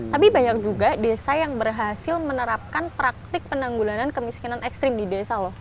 tapi banyak juga desa yang berhasil menerapkan praktik penanggulangan kemiskinan ekstrim di desa loh